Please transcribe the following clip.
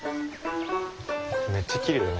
めっちゃきれいだね。